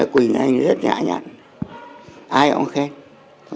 quỳnh anh rất nhã nhãn ai cũng không khen